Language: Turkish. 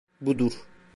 Budur.